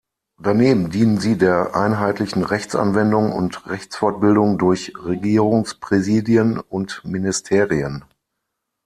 Daneben dienen sie der einheitlichen Rechtsanwendung und Rechtsfortbildung durch Regierungspräsidien und Ministerien.